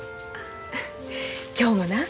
今日もな